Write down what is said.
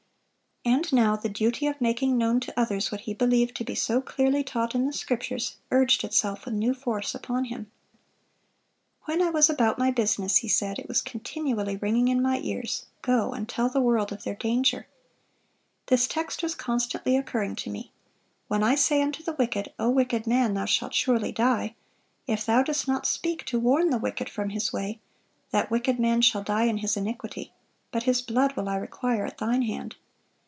And now the duty of making known to others what he believed to be so clearly taught in the Scriptures, urged itself with new force upon him. "When I was about my business," he said, "it was continually ringing in my ears, 'Go and tell the world of their danger.' This text was constantly occurring to me: 'When I say unto the wicked, O wicked man, thou shalt surely die; if thou dost not speak to warn the wicked from his way, that wicked man shall die in his iniquity; but his blood will I require at thine hand.